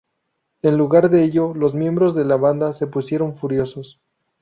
En lugar de ello, los miembros de la banda se pusieron furiosos.